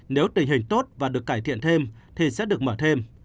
nếu tình hình tốt và được cải thiện thêm thì sẽ được mở thêm